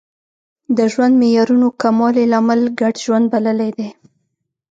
د ژوند معیارونو کموالی لامل ګډ ژوند بللی دی